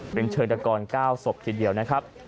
เป็นเชิงตะกร๙ศพทีเดียวนะครับ